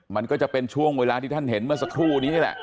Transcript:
มันก็จะเป็นช่วงเวลาที่ท่านเห็นเมื่อสักครู่นี้นี่แหละ